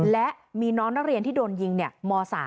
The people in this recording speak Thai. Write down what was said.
และมีน้องนักเรียนที่โดนยิงม๓